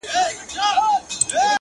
اوس چي خبري كوم-